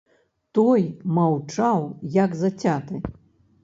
Той маўчаў як зацяты.